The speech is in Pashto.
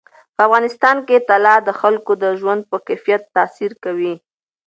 په افغانستان کې طلا د خلکو د ژوند په کیفیت تاثیر کوي.